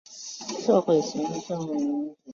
社会行为与社会分类并没有直接明确的连结。